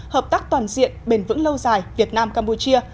hợp tác toàn diện bền vững lâu dài việt nam campuchia